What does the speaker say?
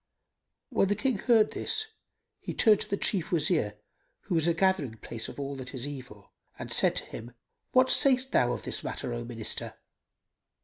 When the King heard this, he turned to the Chief Wazir, who was a gathering place of all that is evil, and said to him, "What sayst thou of this matter, O Minister?"